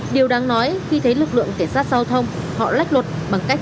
điều đáng nói khi thấy lực lượng cảnh sát giao thông họ lách luật bằng cách